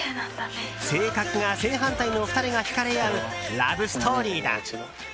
性格が正反対の２人が引かれ合うラブストーリーだ。